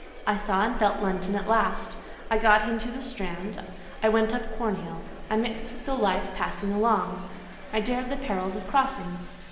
I saw and felt London at last: I got into the Strand; I went up Cornhill; I mixed with the life passing along; I dared the perils of crossings.